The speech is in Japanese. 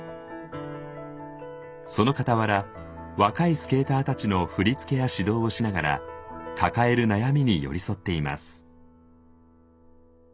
そのかたわら若いスケーターたちの振付や指導をしながら抱える悩みに寄り添っています。